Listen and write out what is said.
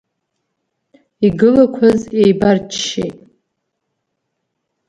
Игылақәаз еибарччеит.